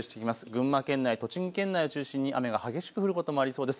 群馬県内、栃木県内を中心に雨が激しく降ることもありそうです。